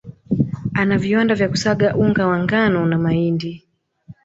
Ana viwanda vya kusaga unga wa ngano na mahindi